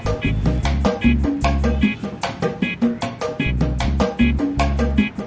sekalian sama si tepe